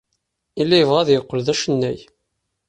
Yella yebɣa ad yeqqel d acennay.